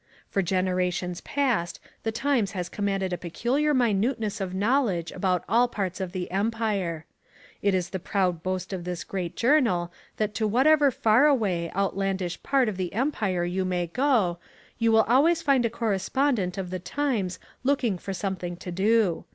For generations past the Times has commanded a peculiar minuteness of knowledge about all parts of the Empire. It is the proud boast of this great journal that to whatever far away, outlandish part of the Empire you may go, you will always find a correspondent of the Times looking for something to do.